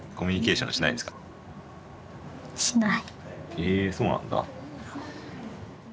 えそうなんだ。